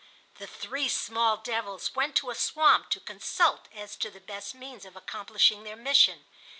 The three small devils went to a swamp to consult as to the best means of accomplishing their mission.